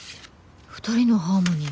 「二人のハーモニー」。